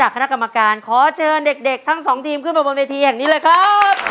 คณะกรรมการขอเชิญเด็กทั้งสองทีมขึ้นมาบนเวทีแห่งนี้เลยครับ